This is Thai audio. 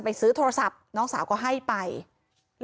มีเรื่องอะไรมาคุยกันรับได้ทุกอย่าง